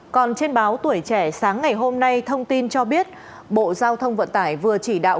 còn trên báo tuổi trẻ sáng ngày hôm nay thông tin cho biết bộ giao thông vận tải vừa chỉ đạo